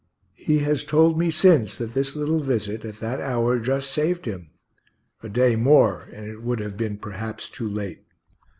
(He has told me since that this little visit, at that hour, just saved him; a day more, and it would have been perhaps too late.)